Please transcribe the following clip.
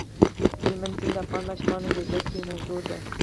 هلمند سیند د افغان ماشومانو د زده کړې یوه موضوع ده.